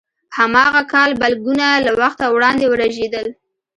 هماغه کال بلګونه له وخته وړاندې ورژېدل.